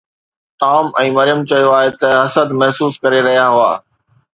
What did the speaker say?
Tom ۽ Maryam چيو ته اهي حسد محسوس ڪري رهيا هئا.